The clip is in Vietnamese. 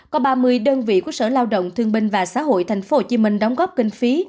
có ba mươi đơn vị của sở lao động thương binh và xã hội tp hcm đóng góp kinh phí